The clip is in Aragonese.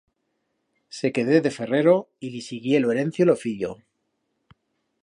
Se quedé de ferrero y li siguié lo herencio lo fillo.